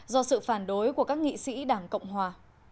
do sự phản đối của các nghị sĩ đảng cộng hòa